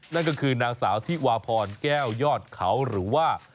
นั่นก็คือนางสาวธิวาพรแก้วยอดเขาหรือว่า